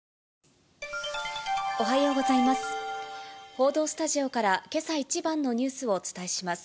報道スタジオからけさ一番のニュースをお伝えします。